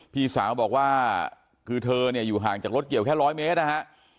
พี่สาวบอกว่าคือเธอเนี่ยอยู่ห่างจากรถเกี่ยวแค่ร้อยเมตรนะฮะ